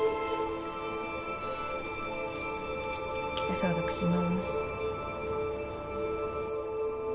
消毒します。